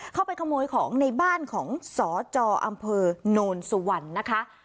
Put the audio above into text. เข้าไปขโมยของในบ้านของสจอำเภอโนนสุวรรณนะคะ